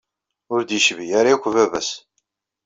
Ur d-yecbi ara akk baba-s.